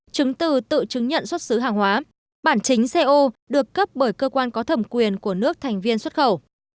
chứng từ tự chứng nhận xuất xứ hàng hóa bản chính co được cấp bởi cơ quan có thẩm quyền của nước thành viên xuất khẩu